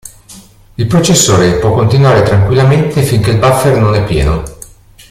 Il processore può continuare tranquillamente finché il buffer non è pieno.